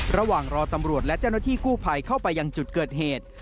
ระหว่างรอตำรวจและเจ้าหน้าที่กู้ภัยเข้าไปยังจุดเกิดเหตุ